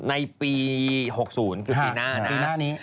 ในปี๖๐คือปีหน้านี้